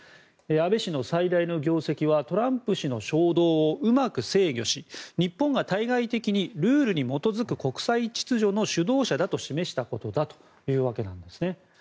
安倍氏の最大の業績はトランプ氏の衝動をうまく制御し日本が対外的にルールに基づく国際秩序の主導者だと示したことだというわけなんですね。